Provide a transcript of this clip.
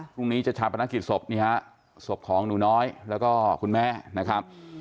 พรุ่งนี้จะชาปนกิจศพนี่ฮะศพของหนูน้อยแล้วก็คุณแม่นะครับ